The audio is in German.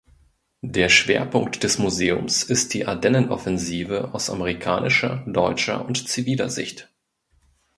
Der Schwerpunkt des Museums ist die Ardennenoffensive aus amerikanischer, deutscher und ziviler Sicht.